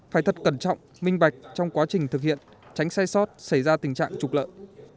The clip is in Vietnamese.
phải thật cẩn trọng minh bạch trong quá trình thực hiện tránh sai sót xảy ra tình trạng trục lợi